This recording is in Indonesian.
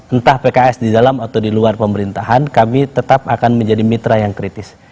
entah pks di dalam atau di luar pemerintahan kami tetap akan menjadi mitra yang kritis